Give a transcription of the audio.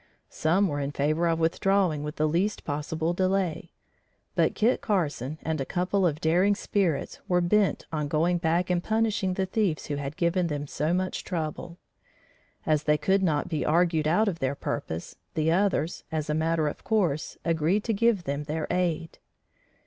Some were in favor of withdrawing with the least possible delay, but Kit Carson and a couple of daring spirits were bent on going back and punishing the thieves who had given them so much trouble. As they could not be argued out of their purpose, the others, as a matter of course, agreed to give them their aid.